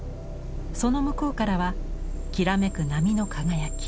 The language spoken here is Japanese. その向こうからはきらめく波の輝き。